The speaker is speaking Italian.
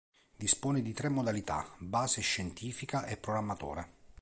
Dispone di tre modalità: base, scientifica e programmatore.